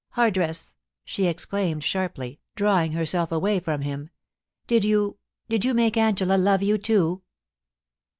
Hardress !* she exclaimed sharply, drawing herself away from him, * did you — did you make Angela love you too